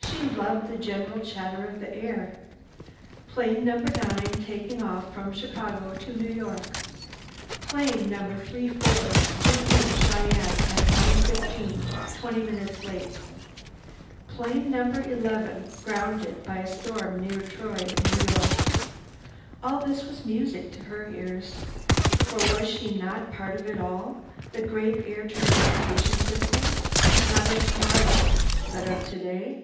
She loved the general chatter of the air. "Plane Number 9 taking off from Chicago to New York." "Plane Number 34 due in Cheyenne at 9:15, twenty minutes late." "Plane Number 11 grounded by a storm near Troy, New York." All this was music to her ears, for was she not part of it all, the great air transportation system, not of tomorrow, but of today?